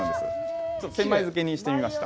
千枚漬けにしてみました。